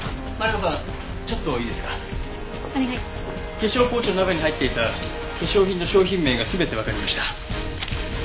化粧ポーチの中に入っていた化粧品の商品名が全てわかりました。